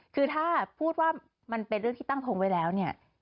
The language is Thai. คือถ้าพูดว่ามันเป็นเรื่องที่ตั้งทงไว้แล้วเนี่ย